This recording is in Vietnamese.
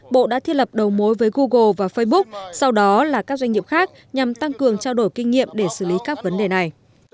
bộ đã thiết lập đầu mối với google và facebook sau đó là các doanh nghiệp khác nhằm tăng cường trao đổi kinh nghiệm để xử lý các vấn đề này